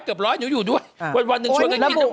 เกือบร้อยหนูอยู่ด้วยวันหนึ่งชวนกันกิน